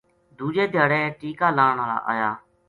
دوجے دھیاڑے ٹیکہ لان ہالا آیا